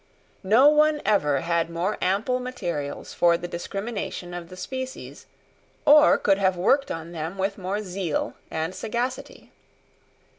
No one ever had more ample materials for the discrimination of the species, or could have worked on them with more zeal and sagacity.